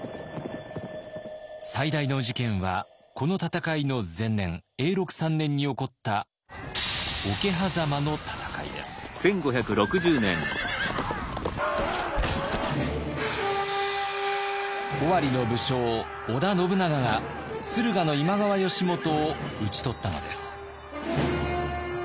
最大の事件はこの戦いの前年永禄３年に起こった尾張の武将織田信長が駿河の今川義元を討ち取ったのです。